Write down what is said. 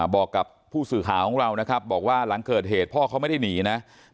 บอกกับผู้สื่อข่าวของเรานะครับบอกว่าหลังเกิดเหตุพ่อเขาไม่ได้หนีนะ